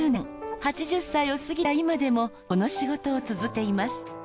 ８０歳を過ぎた今でもこの仕事を続けています。